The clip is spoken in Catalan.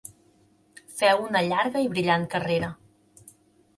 Feu una llarga i brillant carrera.